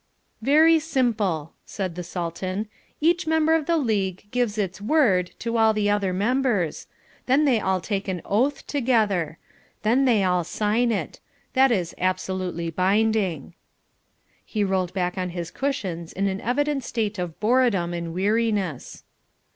"Very simple," said the Sultan. "Each member of the league gives its WORD to all the other members. Then they all take an OATH together. Then they all sign it. That is absolutely binding." He rolled back on his cushions in an evident state of boredom and weariness.